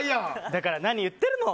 だから何言ってるの？